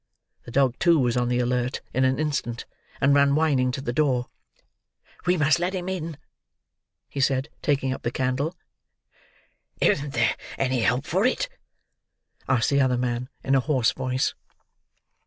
The dog too was on the alert in an instant, and ran whining to the door. "We must let him in," he said, taking up the candle. "Isn't there any help for it?" asked the other man in a hoarse voice.